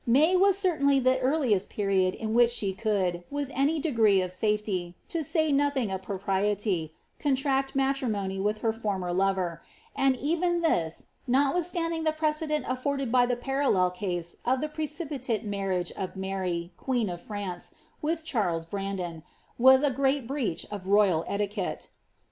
Alay was certainly the earliest period in which she could, with any degree of safety, to say nothing of propriety, contract matrimony viih her former lover; and even this, notwithstanding the precedent a^ordeil by the parallel case of the precipitate marriage of Mary, queen d France, with Charles Brandon, was a great breach of royal etiquette.